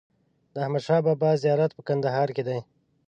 د احمد شا بابا زیارت په کندهار کی دی